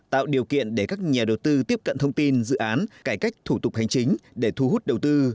tạo điều kiện để các nhà đầu tư tiếp cận thông tin dự án cải cách thủ tục hành chính để thu hút đầu tư